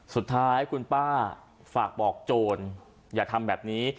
สุดท้ายคุณป้าฝากบอกโจรอย่าทำแบบนี้